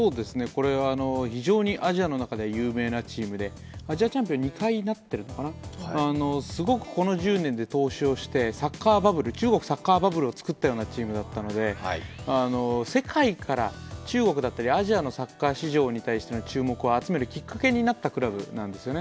非常にアジアの中では有名なチームでアジアチャンピオンに２回なってるのかな、すごくこの１０年で投資をして、中国のサッカーバブルをつくったようなチームなので世界から中国だったりアジアのサッカー市場に対する注目を集めるきっかけになったクラブなんですよね。